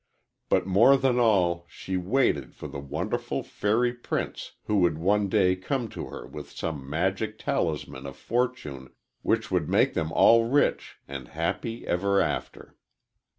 But more than all she waited for the wonderful fairy prince who would one day come to her with some magic talisman of fortune which would make them all rich, and happy ever after.